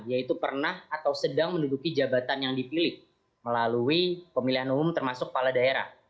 yaitu pernah atau sedang menduduki jabatan yang dipilih melalui pemilihan umum termasuk kepala daerah